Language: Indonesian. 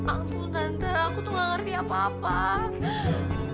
ampun tante aku tuh nggak ngerti apa apaan